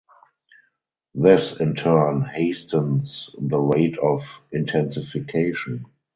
This in turn hastens the rate of intensification.